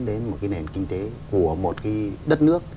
đến một cái nền kinh tế của một cái đất nước